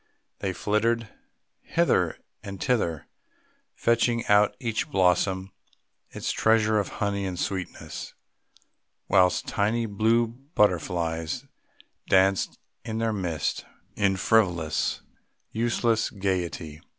They flitted hither and thither, fetching out of each blossom its treasure of honey and sweetness, whilst tiny blue butterflies danced in their midst in frivolous useless gaiety.